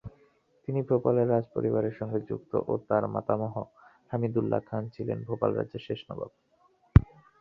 তিনি ভোপালের রাজপরিবারের সঙ্গে যুক্ত ও তার মাতামহ হামিদুল্লাহ খান ছিলেন ভোপাল রাজ্যের শেষ নবাব।